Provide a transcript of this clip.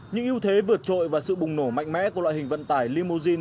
những ưu thế vượt trội và sự bùng nổ mạnh mẽ của loại hình vận tải limousine